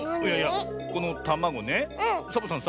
このたまごねサボさんさ